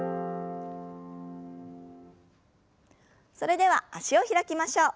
それでは脚を開きましょう。